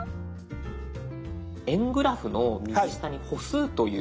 円グラフの右下に「歩数」という。